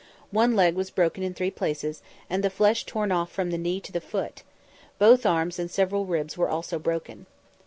One leg was broken in three places, and the flesh torn off from the knee to the foot; both arms and several ribs were also broken.